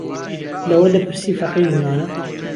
لهوه دهپرسی فهقير ميوانه